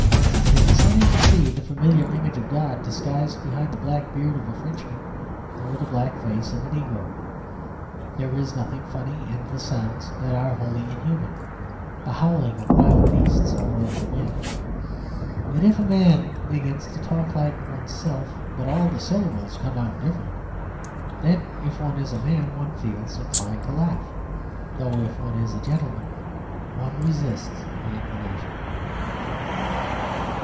But it is funny to see the familiar image of God disguised behind the black beard of a Frenchman or the black face of a Negro. There is nothing funny in the sounds that are wholly inhuman, the howling of wild beasts or of the wind. But if a man begins to talk like oneself, but all the syllables come out different, then if one is a man one feels inclined to laugh, though if one is a gentleman one resists the inclination.